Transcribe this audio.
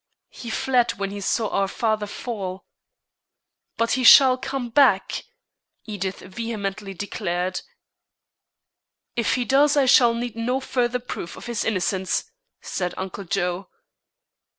"He fled when he saw our father fall." "But he shall come back," Edith vehemently declared. "If he does, I shall need no further proof of his innocence," said Uncle Joe.